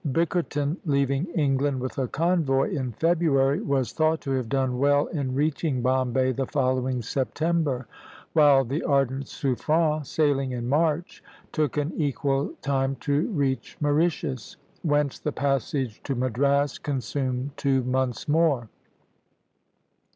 Bickerton, leaving England with a convoy in February, was thought to have done well in reaching Bombay the following September; while the ardent Suffren, sailing in March, took an equal time to reach Mauritius, whence the passage to Madras consumed two months more.